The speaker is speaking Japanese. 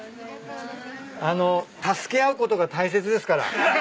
あの助け合うことが大切ですから。